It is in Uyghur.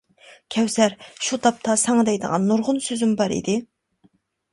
-كەۋسەر، شۇ تاپتا ساڭا دەيدىغان نۇرغۇن سۆزۈم بار ئىدى.